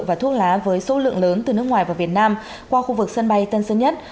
và thuốc lá với số lượng lớn từ nước ngoài vào việt nam qua khu vực sân bay tân sơn nhất